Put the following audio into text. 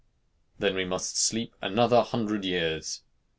"Then we must sleep another hundred years."